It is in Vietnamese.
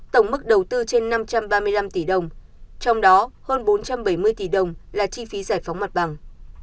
tổng mức đầu tư trên năm trăm ba mươi năm tỷ đồng trong đó hơn bốn trăm bảy mươi tỷ đồng là chi phí giải phóng mặt bằng